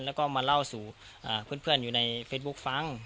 แล้วก็มาเล่าสู่เพื่อนอยู่ในเฟซบุ๊คฟัง